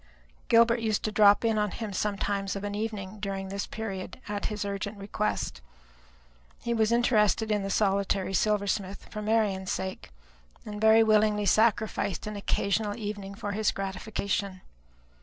Gilbert used to drop in upon him sometimes of an evening during this period, at his urgent request. He was interested in the solitary silversmith for Marian's sake, and very willingly sacrificed an occasional evening for his gratification.